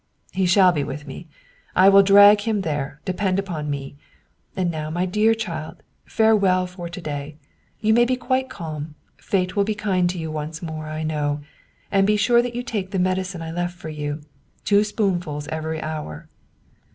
" He shall be with me. I will drag him there, depend upon me. And now, my dear child, farewell for to day. You may be quite calm, fate will be kind to you once more, I know. And be sure that you take the medicine I left for you, two spoonfuls every hour."